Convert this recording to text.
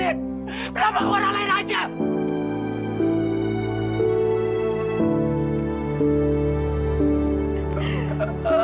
kenapa aku orang lain aja